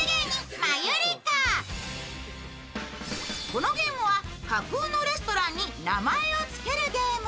このゲームは、架空のレストランに名前をつけるゲーム。